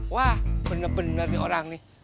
wah bener bener nih orang nih